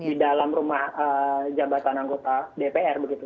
di dalam rumah jabatan anggota dpr begitu